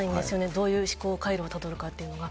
どういう思考回路をたどるかっていうのが。